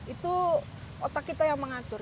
itu otak kita yang mengatur